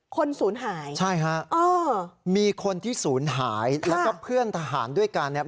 คนสูญหายใช่ค่ะเออมีคนที่สูญหายค่ะแล้วก็เพื่อนทหารด้วยกันเนี้ย